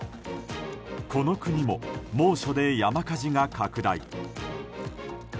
この国も猛暑で山火事が拡大。